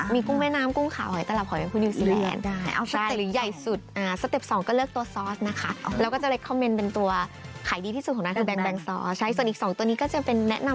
นี่ไม่ใช่วงจากเกาหลีอะไรมั้ยว่าจะเป็นความตุ้มตั้มจริงจริง